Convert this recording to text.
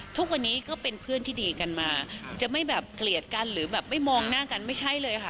ทุกวันนี้ก็เป็นเพื่อนที่ดีกันมาจะไม่แบบเกลียดกันหรือแบบไม่มองหน้ากันไม่ใช่เลยค่ะ